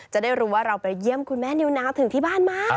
จะได้รู้ว่าเราไปเยี่ยมคุณแม่นิวนาวถึงที่บ้านไหม